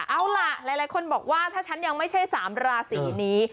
เอาล่ะหลายคนบอกว่าถ้าฉันยังไม่ใช่๓ราศีนี้